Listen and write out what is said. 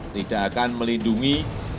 tidak akan melindungi